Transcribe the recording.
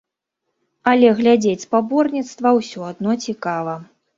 Але глядзець спаборніцтва ўсё адно цікава.